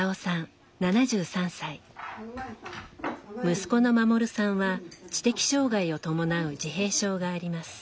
息子の護さんは知的障害を伴う自閉症があります。